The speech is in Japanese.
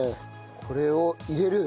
これを入れる？